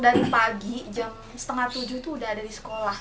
dari pagi jam setengah tujuh itu udah ada di sekolah